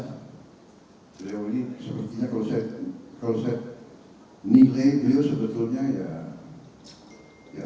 kalau saya nilai sebetulnya ya